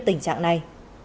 tình trạng này